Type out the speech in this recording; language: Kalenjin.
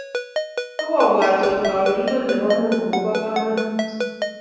ak obwat kole kaberuret nebo mungu kobo kamangut